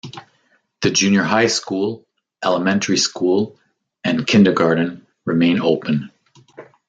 The jr. high school, elementary school, and kindergarten remain open.